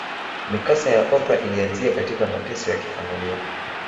Mikasa ya Oprah ilianzia katika mateso ya kifamilia